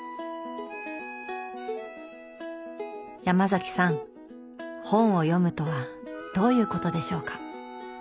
ヤマザキさん本を読むとはどういうことでしょうか？